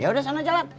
yaudah sana jalan